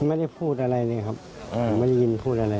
ไม่ได้พูดอะไรเลยครับผมไม่ได้ยินพูดอะไร